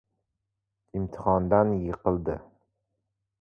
imtihondan yiqildi.